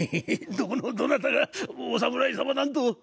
どこのどなたがお侍様なんと。